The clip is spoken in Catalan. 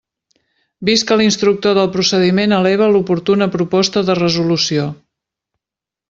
Vist que l'instructor del procediment eleva l'oportuna proposta de resolució.